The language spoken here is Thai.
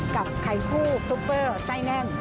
กับไข่คู่ซุปเปอร์ไส้แน่น